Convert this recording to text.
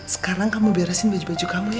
sekarang kamu beresin baju baju kamu